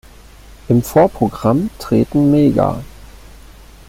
Im Vorprogramm treten Mega!